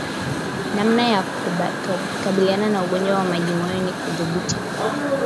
Namna ya kukabiliana na ugonjwa wa majimoyo ni kudhibiti kupe